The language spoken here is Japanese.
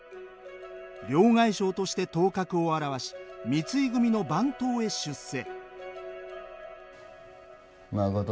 両替商として頭角を現し三井組の番頭へ出世。